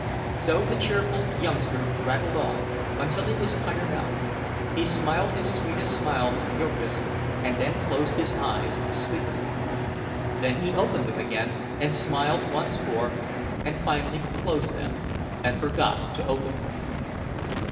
So the cheerful youngster rattled on, until he was tired out. He smiled his sweetest smile at Jurgis, and then he closed his eyes, sleepily. Then he opened them again, and smiled once more, and finally closed them and forgot to open them.